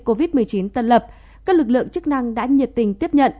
covid một mươi chín tân lập các lực lượng chức năng đã nhiệt tình